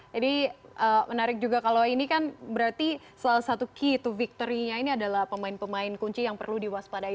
jadi menarik juga kalau ini kan berarti salah satu key to victory nya ini adalah pemain pemain kunci yang perlu diwaspadai